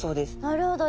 なるほど。